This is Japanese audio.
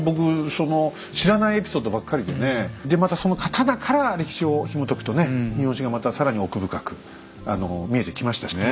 その知らないエピソードばっかりでねでまたその刀から歴史をひもとくとね日本史がまた更に奥深くあの見えてきましたしね。